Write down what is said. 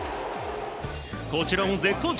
こちらも絶好調。